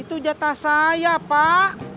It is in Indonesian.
itu jatah saya pak